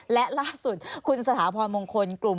และล่าสุดคุณสถาพรมงคล